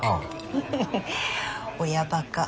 フフフッ親バカ。